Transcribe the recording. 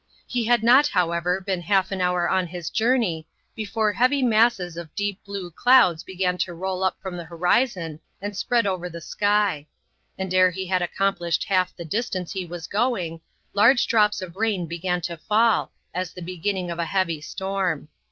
He had not, however, been half an hour on his journey, before heavy masses of deep blue clouds began to roll up from the horizon and spread over the sky; and ere he had accomplished half the distance he was going, large drops of rain began to fall, as the beginning of a heavy storm.